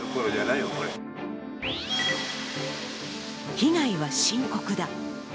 被害は深刻だ。